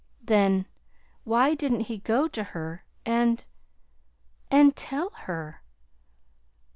"Then, why didn't he go to her and and tell her?"